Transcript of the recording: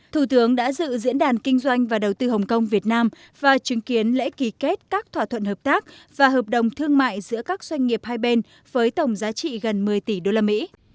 thủ tướng đã dự diễn đàn kinh doanh và đầu tư hồng kông việt nam và chứng kiến lễ ký kết các thỏa thuận hợp tác và hợp đồng thương mại giữa các doanh nghiệp hai bên với tổng giá trị gần một mươi tỷ đô la mỹ